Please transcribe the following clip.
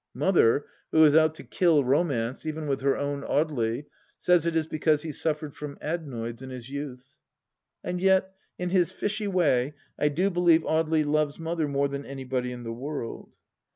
Mother, who is out to kill Romance, even with her own Audely, says it is because he suffered from adenoids in his youth. And yet, in his fishy way I do believe Audely loves Mother more than anybody in the world.